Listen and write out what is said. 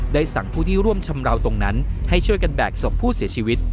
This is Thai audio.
สั่งผู้ที่ร่วมชำราวตรงนั้นให้ช่วยกันแบกศพผู้เสียชีวิต